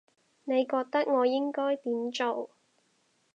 你覺得我應該點做